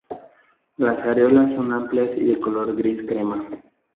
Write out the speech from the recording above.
Las areolas son amplias y de color gris crema.